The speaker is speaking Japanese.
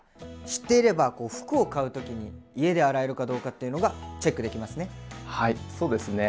知っていれば服を買う時に家で洗えるかどうかっていうのがチェックできますね。